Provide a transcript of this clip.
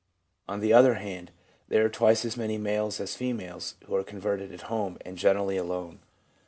On the other hand, there are twice as many males as females who are converted at home, and generally alone.